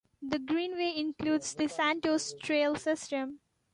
The Greenway includes the Santos Trail System.